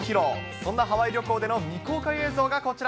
そんなハワイ旅行での未公開映像がこちら。